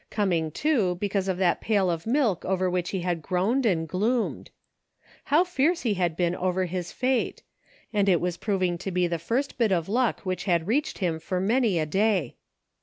Coming, too, because of that pail of milk over which he had groaned and gloomed. How fierce he had been over his fate; and it was proving to be the first bit of luck which had reached him for many a day.